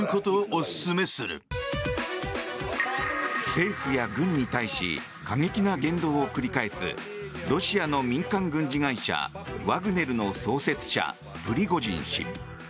政府や軍に対し過激な言動を繰り返すロシアの民間軍事会社ワグネルの創設者、プリゴジン氏。